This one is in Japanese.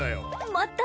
また。